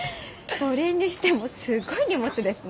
それにしてもすごい荷物ですね。